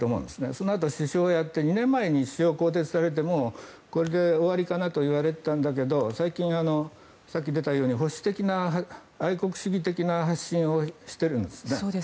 そのあと首相をやって２年前に更迭されてこれで終わりかなと言われていたんだけど最近、さっき出たように保守的な愛国主義的な発信をしているんですね。